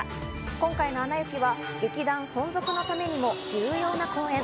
今回の『アナ雪』は劇団存続のためにも重要な公演。